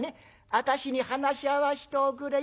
私に話合わしておくれよ。